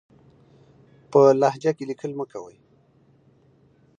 په لهجه کې ليکل مه کوئ!